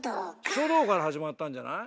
書道から始まったんじゃない？